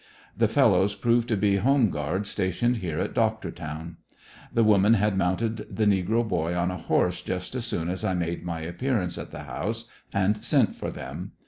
The fellows proved to be home guards stationed here at Doctortown. The woman had mounted the negro boy on a horse just as soon as I made my appearance at the house and sent for them.